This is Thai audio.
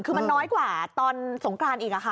คือมันน้อยกว่าตอนสงกรานอีกค่ะ